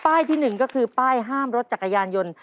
ที่๑ก็คือป้ายห้ามรถจักรยานยนต์